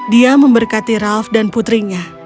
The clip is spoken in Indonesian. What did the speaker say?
dia memberkati ralf dan putrinya